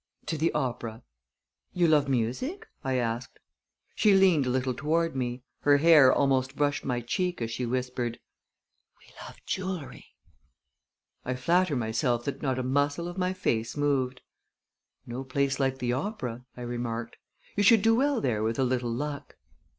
"To the opera." "You love music?" I asked. She leaned a little toward me. Her hair almost brushed my cheek as she whispered: "We love jewelry!" I flatter myself that not a muscle of my face moved. "No place like the opera!" I remarked. "You should do well there with a little luck."